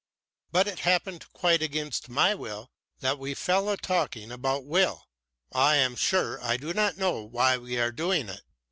But it happened quite against my will that we fell a talking about will I am sure I do not know why we are doing it.